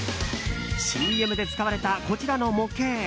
ＣＭで使われたこちらの模型。